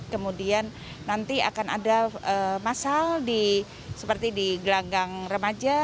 kemudian nanti akan ada masal seperti di gelanggang remaja